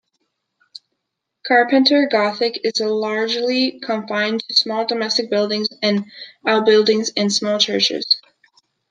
Carpenter Gothic is largely confined to small domestic buildings and outbuildings and small churches.